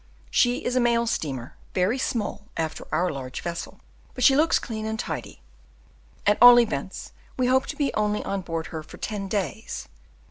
She is a mail steamer very small after our large vessel, but she looks clean and tidy; at all events, we hope to be only on board her for ten days.